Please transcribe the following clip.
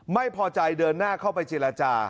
ไม่พอใจเดินหน้าเข้าไปเจรจา